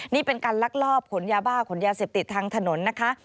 นี่เป็นการลักลอบขนยาบ้าขนยาเสพติดทางถนนนะคะ